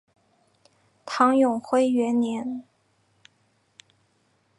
唐永徽元年。